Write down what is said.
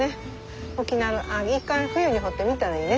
一回冬に掘ってみたらいいね。